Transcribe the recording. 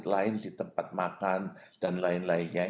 lain di tempat makan dan lain lainnya